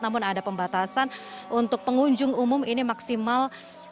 namun ada pembatasan untuk pengunjung umum ini maksimal